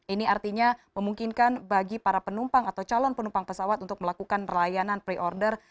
ini artinya memungkinkan bagi para penumpang atau calon penumpang pesawat untuk melakukan layanan pre order